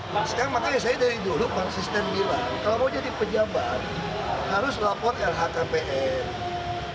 nah sekarang makanya saya dari dulu konsisten bilang kalau mau jadi pejabat harus lapor lhkpn